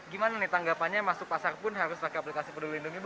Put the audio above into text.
gimana nih tanggapannya masuk pasar pun harus pakai aplikasi peduli lindungi bu